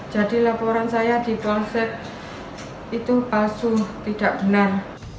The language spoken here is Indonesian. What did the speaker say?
jadi laporan saya di pohon sek itu palsu tidak benar